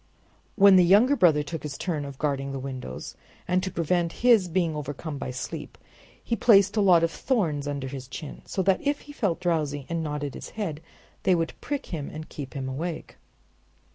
Then the younger brother took his turn of guarding the windows, and to prevent his being overcome by sleep he placed a lot of thorns under his chin, so that if he felt drowsy and nodded his head they would prick him and keep him awake.